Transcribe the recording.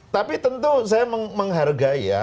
tapi tentu saya menghargai ya